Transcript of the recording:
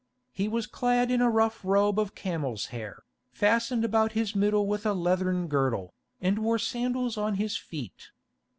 He was clad in a rough robe of camel's hair, fastened about his middle with a leathern girdle, and wore sandals on his feet.